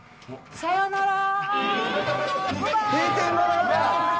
さよならー。